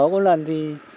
có lần thì